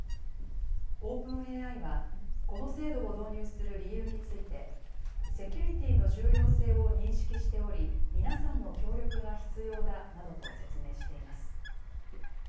オープンＡＩはこの制度を導入する理由についてセキュリティーの重要性を認識しており皆さんの協力が必要だなどと説明しています。